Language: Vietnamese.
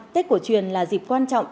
tết của truyền là dịp quan trọng